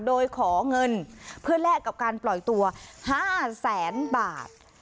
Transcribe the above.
โดยขอเงินเพื่อแลกกับการปล่อยตัว๕แสนบาท